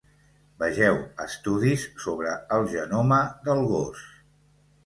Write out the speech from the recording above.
Vegeu estudis sobre el genoma del gos.